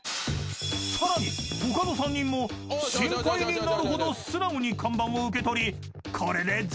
［さらに他の３人も心配になるほど素直に看板を受け取りこれで準備完了］